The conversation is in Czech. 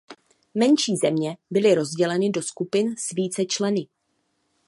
Menší země byly rozděleny do skupin s více členy.